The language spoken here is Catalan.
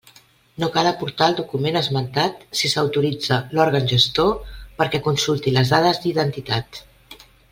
No cal aportar el document esmentat si s'autoritza l'òrgan gestor perquè consulti les dades d'identitat.